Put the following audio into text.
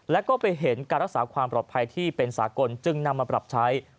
แล้วก็ไปเห็นการรักษาความปลอดภัยที่เป็นสากลจึงนำมาปรับใช้